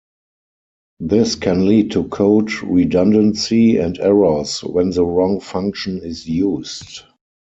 This can lead to code redundancy and errors when the wrong function is used.